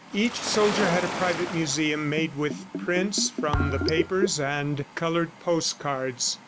Each soldier had a private museum made with prints from the papers and colored postcards.